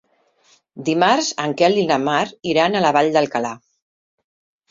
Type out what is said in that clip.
Dimarts en Quel i na Mar iran a la Vall d'Alcalà.